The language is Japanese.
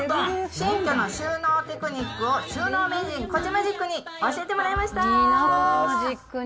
新居の収納テクニックを収納名人、コジマジックに教えてもらいました。